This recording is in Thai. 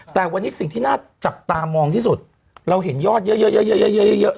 แต่วันนี้สิ่งที่น่าจับตามองที่สุดเราเห็นยอดเยอะเยอะเยอะเยอะเยอะเยอะเยอะเยอะ